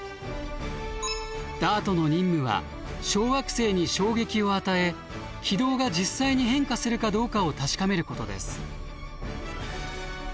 ＤＡＲＴの任務は小惑星に衝撃を与え軌道が実際に変化するかどうかを確かめることです。